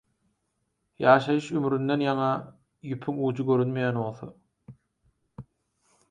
Ýaşaýyş ümründen ýaňa ýüpüň ujy görünmeýän bolsa.